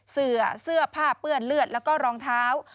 เสื้อผ้าเปื้อนเลือดแล้วก็รองเท้า